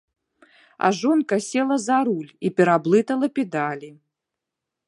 А жонка села за руль і пераблытала педалі.